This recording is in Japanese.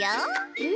えっ？